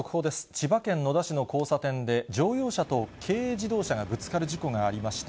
千葉県野田市の交差点で、乗用車と軽自動車がぶつかる事故がありました。